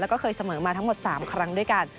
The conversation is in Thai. แล้วก็เคยเสมอมาทั้งหมด๓ครั้งด้วยกัน